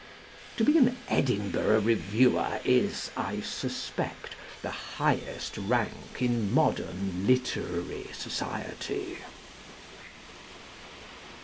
To be an Edinburgh Reviewer is, I suspect, the highest rank in modern literary society.